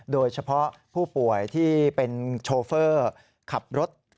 โดยเฉพาะผู้ป่วยที่เป็นโชเฟอร์ขับรถ